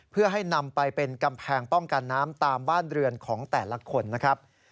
เพื่อให้นำไปเป็นกำแพงป้องกันน้ำตามบ้านเรือนของแต่ละคนนะครับ